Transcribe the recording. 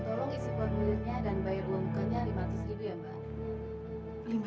tolong isi form dulu dan bayar uang bukanya lima ratus ribu ya mbak